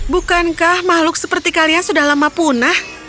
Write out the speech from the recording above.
bukankah makhluk seperti kalian sudah lama punah